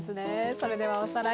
それではおさらい。